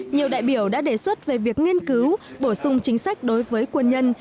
nhiều đại biểu đã đề xuất về việc nghiên cứu bổ sung chính sách đối với quân nhân